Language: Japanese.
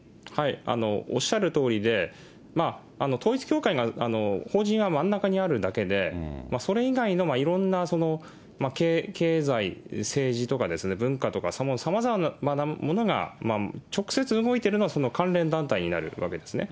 おっしゃるとおりで、統一教会が法人は真ん中にあるだけで、それ以外のいろんな経済、政治とか、文化とか、さまざまなものが直接動いてるのは、その関連団体になるわけですね。